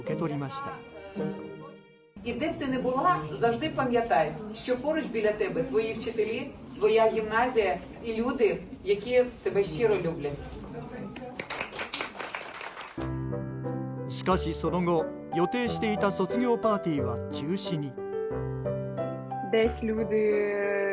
しかし、その後、予定していた卒業パーティーは中止に。